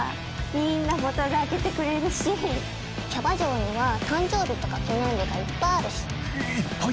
みんなボトルあけてくれるしキャバ嬢には誕生日とか記念日がいっぱいあるしいっぱい？